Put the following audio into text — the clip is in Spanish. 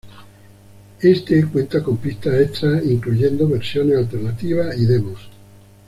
Este cuenta con pistas extras, incluyendo versiones alternativas y demos.